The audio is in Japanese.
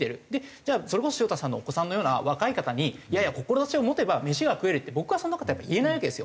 じゃあそれこそ潮田さんのお子さんのような若い方に「志を持てば飯が食える」って僕はそんな事言えないわけですよ。